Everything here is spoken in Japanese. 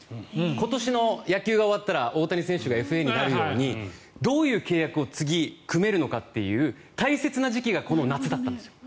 今年の野球が終わったら大谷選手がＦＡになるようにどういう契約を次、組めるのかという大切な時期がこの夏だったんです。